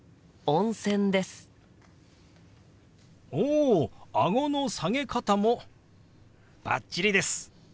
おあごの下げ方もバッチリです。